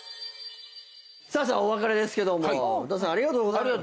お別れですけども宇多田さんありがとうございました。